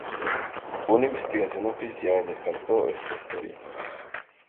Una investigación oficial descartó esta historia.